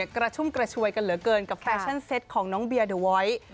กระชุ่มกระชวยกันเหลือเกินกับแฟชั่นเซ็ตของน้องเบียเดอร์วอย